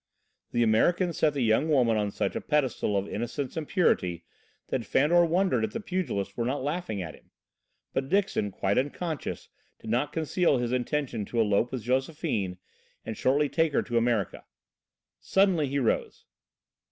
The American set the young woman on such a pedestal of innocence and purity that Fandor wondered if the pugilist were not laughing at him. But Dixon, quite unconscious, did not conceal his intention to elope with Josephine and shortly take her to America. Suddenly he rose.